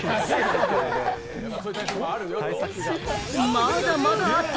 まだまだあった！